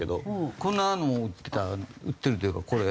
こんなのも売ってた売ってるといえばこれ。